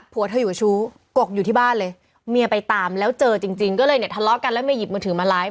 ผัวเธออยู่กับชู้กกอยู่ที่บ้านเลยเมียไปตามแล้วเจอจริงจริงก็เลยเนี่ยทะเลาะกันแล้วเมียหยิบมือถือมาไลฟ์